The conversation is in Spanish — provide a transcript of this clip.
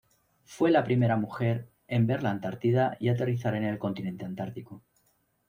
Fue la primera mujer en ver la Antártida y aterrizar en el continente antártico.